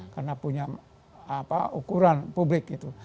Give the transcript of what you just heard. karena punya ukuran publik itu